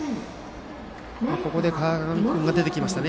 ここで川上君が出てきましたね。